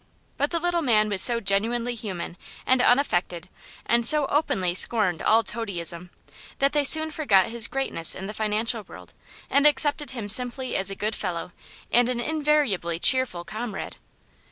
But the little man was so genuinely human and unaffected and so openly scorned all toadyism that they soon forgot his greatness in the financial world and accepted him simply as a good fellow and an invariably cheerful comrade.